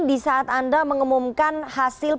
di saat anda mengumumkan hasil